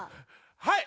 はい！